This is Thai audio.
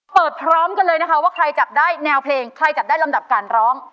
พร้อมกันเลยนะคะว่าใครจับได้แนวเพลงใครจับได้ลำดับการร้อง